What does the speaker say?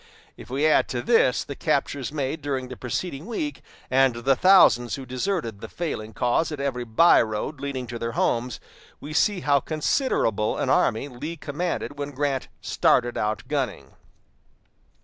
If we add to this the captures made during the preceding week, and the thousands who deserted the failing cause at every by road leading to their homes, we see how considerable an army Lee commanded when Grant "started out gunning."